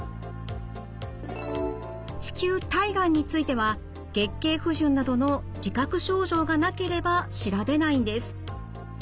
子宮体がんについては月経不順などの自覚症状がなければ調べないんです。